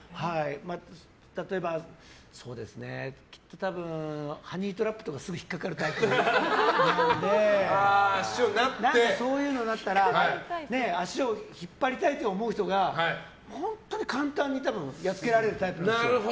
例えば、多分ハニートラップとかすぐ引っかかるタイプなのでそういうのになったら足を引っ張りたいって思う人が本当に簡単にやっつけられるタイプなんですよ。